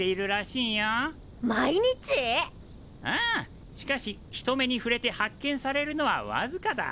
ああしかし人目にふれて発見されるのはわずかだ。